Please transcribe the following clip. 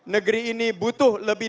negeri ini butuh lebih